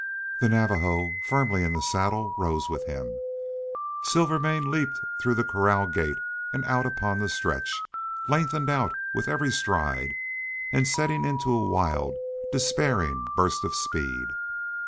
The Navajo, firmly in the saddle, rose with him, and Silvermane leaped through the corral gate, and out upon the stretch, lengthening out with every stride, and settling into a wild, despairing burst of speed.